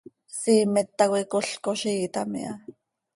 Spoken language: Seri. Siimet tacoi col coziiitam iha.